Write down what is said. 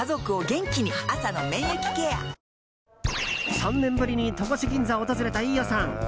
３年ぶりに戸越銀座を訪れた飯尾さん。